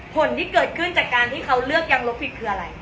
ผลที่เกิดขึ้นจากการที่เขาเลือกยังลบผิดคืออะไร